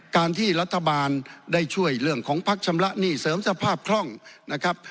การที่รัฐบาลได้ช่วยเรื่องของพักชำระหนี้เสริมสภาพคล่องนะครับ